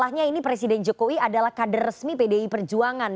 masalahnya ini presiden jokowi adalah kader resmi pdi perjuangan